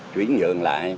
chuyển nhượng lại